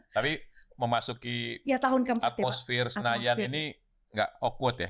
tapi memasuki atmosfer senayan ini gak awkward ya